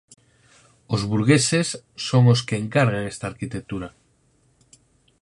Os burgueses son os que encargan esta arquitectura.